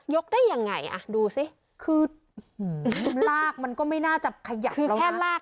ได้ยังไงอ่ะดูสิคือลากมันก็ไม่น่าจะขยับคือแค่ลาก